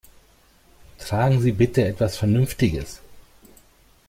Tragen Sie bitte etwas Vernünftiges!